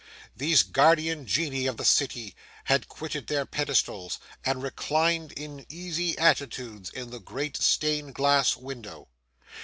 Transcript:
These guardian genii of the City had quitted their pedestals, and reclined in easy attitudes in the great stained glass window.